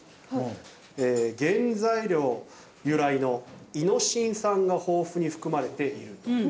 原材料由来のイノシン酸が豊富に含まれていると。